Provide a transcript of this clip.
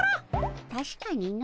たしかにの。